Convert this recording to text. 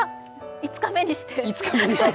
５日目にして。